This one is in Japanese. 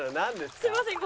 すみません。